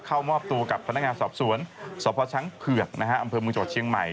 เข้ามาอบตัวกับพนักงานสอบสวนสชเผือกอมจเชียงใหม่